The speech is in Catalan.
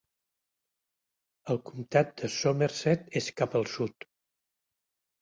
El comtat de Somerset és cap al sud.